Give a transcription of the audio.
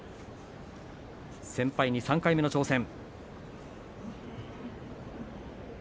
先輩に３回目の挑戦。